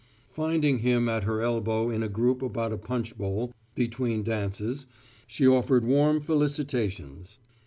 Finding him at her elbow in a group about a punch bowl, between dances, she offered warm felicitations.